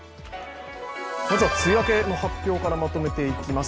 まずは梅雨明けの発表からまとめていきます。